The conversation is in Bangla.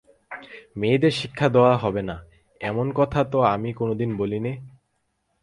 মেয়েদের শিক্ষা দেওয়া হবে না, এমন কথা তো আমি কোনোদিন বলি নে।